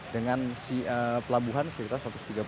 dengan pelabuhan sekitar satu ratus tiga puluh